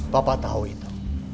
papa tahu itu